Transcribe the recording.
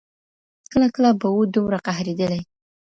کله کله به وو دومره قهرېدلی